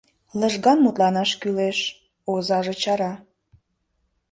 Лыжган мутланаш кӱлеш, — озаже чара.